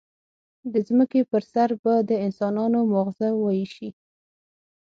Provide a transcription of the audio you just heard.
د ځمکې پر سر به د انسانانو ماغزه وایشي.